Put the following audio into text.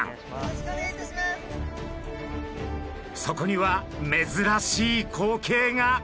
そこには珍しい光景が。